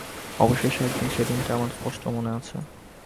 অবশেষে একদিন–সে দিনটা আমার স্পষ্ট মনে আছে।